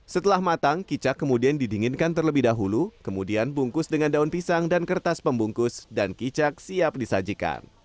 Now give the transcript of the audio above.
setelah matang kicak kemudian didinginkan terlebih dahulu kemudian bungkus dengan daun pisang dan kertas pembungkus dan kicak siap disajikan